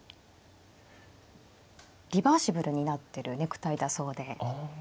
リバーシブルになってるネクタイだそうで。